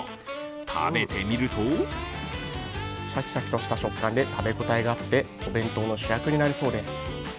食べてみるとシャキシャキとした食感で食べ応えがあってお弁当の主役になれそうです。